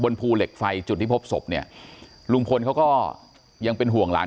ภูเหล็กไฟจุดที่พบศพเนี่ยลุงพลเขาก็ยังเป็นห่วงหลาน